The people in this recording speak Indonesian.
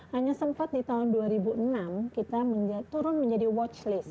hanya sempat di tahun dua ribu enam kita turun menjadi watch list